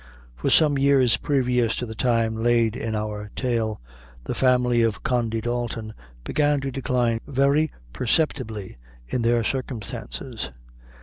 For some years previous to the time laid in our tale, the family of Condy Dalton began to decline very perceptibly in their circumstances.